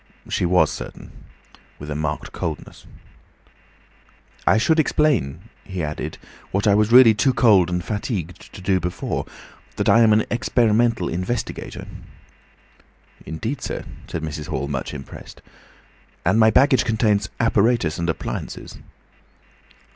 She was certain, with a marked coldness. "I should explain," he added, "what I was really too cold and fatigued to do before, that I am an experimental investigator." "Indeed, sir," said Mrs. Hall, much impressed. "And my baggage contains apparatus and appliances."